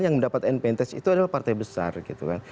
yang mendapat advantage itu adalah partai besar gitu kan